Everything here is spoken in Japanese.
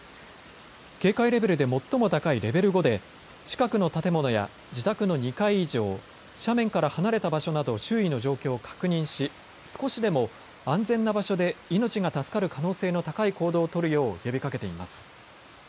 警戒レベルで最も高いレベル５で近くの建物や自宅の２階以上、斜面から離れた場所など周囲の状況を確認し少しでも安全な場所で命が助かる可能性の高い行動を取るよう呼びかけています。